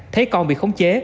thấy con bị khống chế